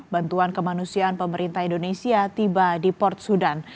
bantuan kemanusiaan pemerintah indonesia tiba di port sudan